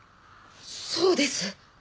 そうです！